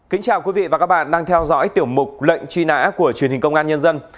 kính chào quý vị và các bạn đang theo dõi tiểu mục lệnh truy nã của truyền hình công an nhân dân